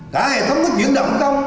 cả hệ thống có chuyển động không